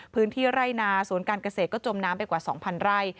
พื้นที่ไร่นาสวนการเกษตรก็จมน้ำไปกว่า๒๐๐ไร่